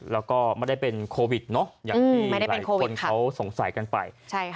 แล้วก็ไม่ได้เป็นโควิดเนอะอย่างที่หลายคนเขาสงสัยกันไป